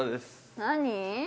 何？